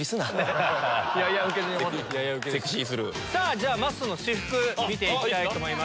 じゃまっすーの私服見ていきたいと思います。